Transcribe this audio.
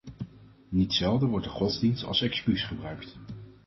Niet zelden wordt de godsdienst als excuus gebruikt.